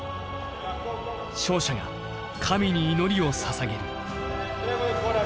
勝者が神に祈りをささげる。